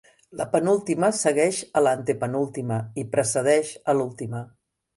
La penúltima segueix a l'antepenúltima, i precedeix a l'última.